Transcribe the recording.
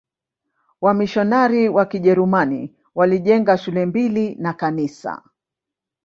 Wamisionari wa Kijerumani walijenga shule mbili na kanisa.